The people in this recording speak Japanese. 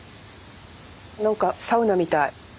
何かサウナみたい。